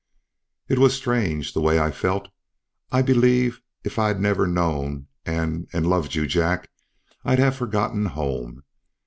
"It was strange the way I felt. I believe if I'd never known and and loved you, Jack, I'd have forgotten home.